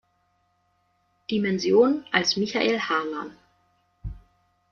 Dimension" als Michael Harlan.